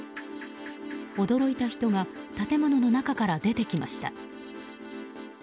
驚いた人が建物の中から出てきました。